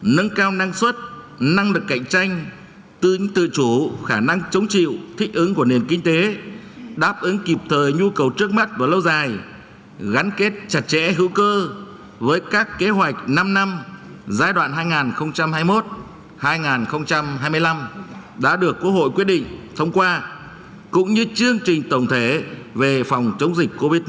nâng cao năng suất năng lực cạnh tranh tư chính tự chủ khả năng chống chịu thích ứng của nền kinh tế đáp ứng kịp thời nhu cầu trước mắt và lâu dài gắn kết chặt chẽ hữu cơ với các kế hoạch năm năm giai đoạn hai nghìn hai mươi một hai nghìn hai mươi năm đã được quốc hội quyết định thông qua cũng như chương trình tổng thể về phòng chống dịch covid một mươi chín